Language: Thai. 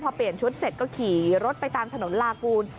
พอเปลี่ยนชุดเสร็จก็ขี่รถไปตามถนนลากูล